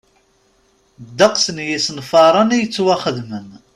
Ddeqs n yisenfaṛen i yettwaxdamen.